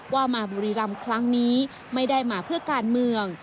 ว่ามาบุรีรำครั้งนี้ไม่ได้มาเพื่อการเมือง